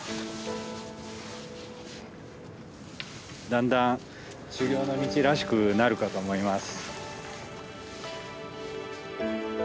だんだん修行の道らしくなるかと思います。